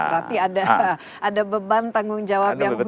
berarti ada beban tanggung jawab yang khusus ya